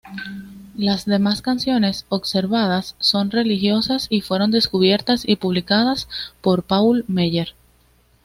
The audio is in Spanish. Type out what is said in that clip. Las demás canciones conservadas son religiosas, y fueron descubiertas y publicadas por Paul Meyer.